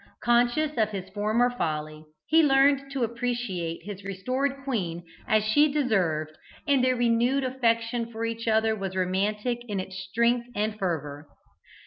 Conscious of his former folly, he learned to appreciate his restored queen as she deserved, and their renewed affection for each other was romantic in its strength and fervour.